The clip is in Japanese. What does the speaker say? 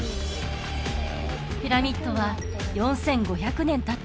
ピラミッドは４５００年たった